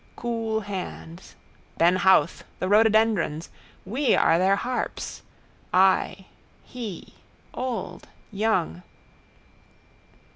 Cool hands. Ben Howth, the rhododendrons. We are their harps. I. He. Old. Young.